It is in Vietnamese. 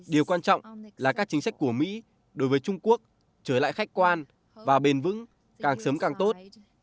điều quan trọng là các chính sách của mỹ đối với trung quốc trở lại khách quan và bền vững càng sớm càng tốt